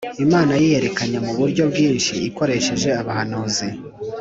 Imana yiyerekanye mu buryo bwinshi ikoresheje abahanuzi